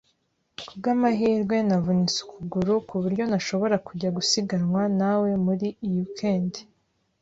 Kubwamahirwe, navunitse ukuguru, kuburyo ntashobora kujya gusiganwa nawe muri iyi weekend.